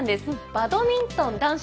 バドミントン男子